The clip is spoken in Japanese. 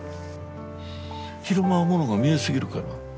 昼間はものが見えすぎるから。